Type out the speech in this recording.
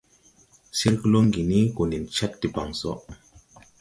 Sir Golonguini go nen Chad debaŋ so.